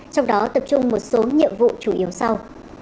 trong đó tập trung một số nhiệm vụ chủ yếu sau